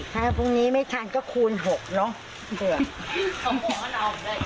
ถ้าพรุ่งนี้ไม่ทันก็คูณ๖เนอะ